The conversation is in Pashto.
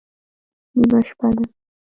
_نيمه شپه ده.